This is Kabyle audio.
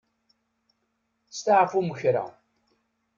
Steɛfum kra.